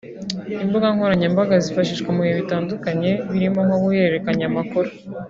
Imbuga nkoranyambaga zifashishwa mu bihe bitandukanye birimo nko guhererekanya amakuru